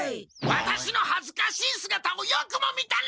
ワタシのはずかしいすがたをよくも見たな！